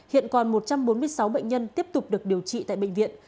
hiện còn một trăm bốn mươi sáu bệnh nhân tiếp tục được điều trị tại bệnh viện